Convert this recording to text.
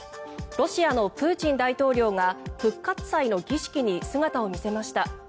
ロシアのプーチン大統領が復活祭の儀式に姿を見せました。